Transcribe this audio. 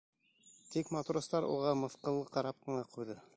Тик матростар уға мыҫҡыллы ҡарап ҡына ҡуйҙы.